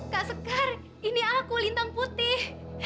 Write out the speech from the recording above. gak sekar ini aku lintang putih